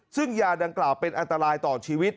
ซึ่งยาดังกล่าวเป็นอันตรายต่อชีวิต